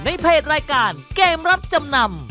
เพจรายการเกมรับจำนำ